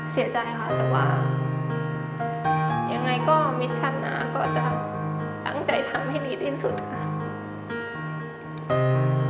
เสียใจค่ะแต่ว่ายังไงก็มิดชั้นนะก็จะตั้งใจทำให้ดีที่สุดค่ะ